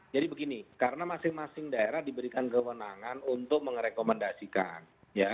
jadi begini karena masing masing daerah diberikan kewenangan untuk merekomendasikan ya